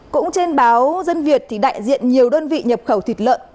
cũng trên báo dân việt đại diện nhiều đơn vị nhập khẩu thịt lợn